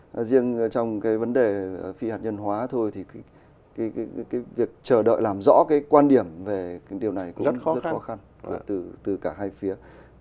đúng riêng trong vấn đề phi hạt nhân hóa thôi thì việc chờ đợi làm rõ quan điểm về điều này cũng rất khó khăn từ cả hai phía